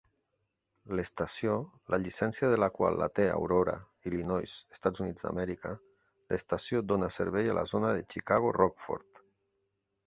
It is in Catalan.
L'estació, la llicència de la qual la té Aurora, Illinois (EUA), l'estació dóna servei a la zona de Chicago - Rockford.